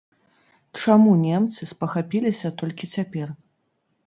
Чаму немцы спахапіліся толькі цяпер?